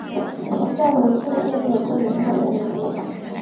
但无证件可证明她的年龄。